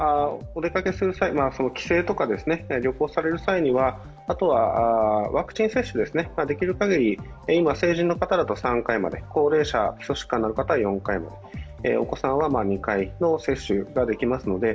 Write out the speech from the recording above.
お出かけする際、帰省とか旅行される際にはワクチン接種、できるかぎり、今、成人の方だと３回まで、高齢者、基礎疾患のある方は４回までお子さんは２回の接種ができますので、